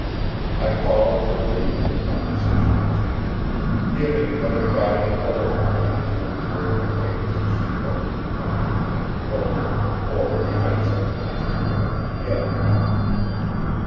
I followed her lead in the conversational channel, giving but a guiding oar when it turned toward acquaintances she held in common with Henry Wilton, or events that had interested them together.